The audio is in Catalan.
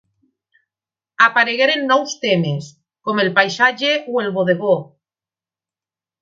Aparegueren nous temes, com el paisatge o el bodegó.